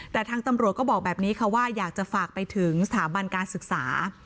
แต่ทางตำรวจก็บอกแบบนี้ค่ะว่าอยากจะฝากไปถึงสถาบันการศึกษา